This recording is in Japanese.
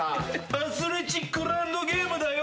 アスレチックランドゲームだよ。